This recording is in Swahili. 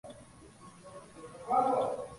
zina nafasi kweli katika ushindani huu